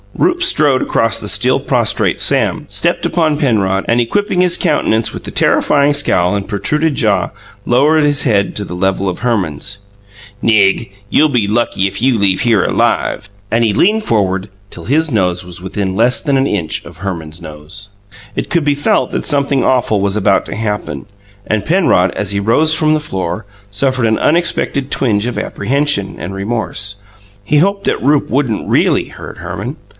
Rupe strode across the still prostrate Sam, stepped upon Penrod, and, equipping his countenance with the terrifying scowl and protruded jaw, lowered his head to the level of Herman's. "Nig, you'll be lucky if you leave here alive!" And he leaned forward till his nose was within less than an inch of Herman's nose. It could be felt that something awful was about to happen, and Penrod, as he rose from the floor, suffered an unexpected twinge of apprehension and remorse: he hoped that Rupe wouldn't REALLY hurt Herman.